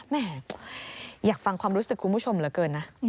แม่อยากฟังความรู้สึกคุณผู้ชมเหลือเกินนะ